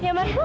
ya mari bu